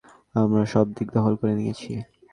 আমরা সবদিক দখল করে নিয়েছি।